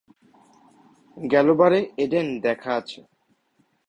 গেল বারে এডেন দেখা আছে।